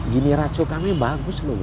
gini racu kami bagus loh mbak